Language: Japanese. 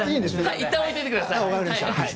いったんおいておいてください。